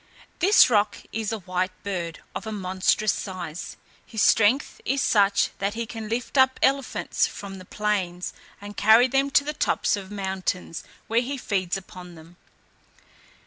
This roc is a white bird, of a monstrous size; his strength is such, that he can lift up elephants from the plains, and carry them to the tops of mountains, where he feeds upon them.